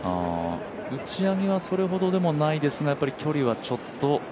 打ち上げはそれほどでもないですが、距離はちょっと。